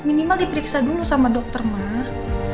minimal diperiksa dulu sama dokter mah